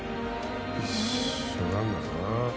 一緒なんだな。